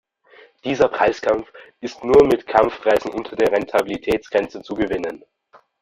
Dieser Preiskampf ist nur mit Kampfpreisen unter der Rentabilitätsgrenze zu gewinnen.